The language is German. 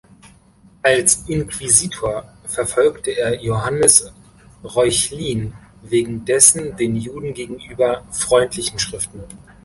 Als Inquisitor verfolgte er Johannes Reuchlin wegen dessen den Juden gegenüber freundlichen Schriften.